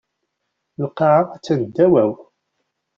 Lqaɛa attan ddaw-aw.